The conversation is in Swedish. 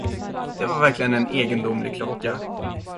Det var verkligen en egendomlig klocka.